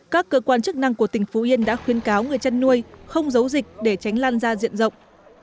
các cơ quan chức năng của tỉnh phú yên đã khuyên cáo người chăn nuôi không giấu dịch để tránh lan gia diện rộng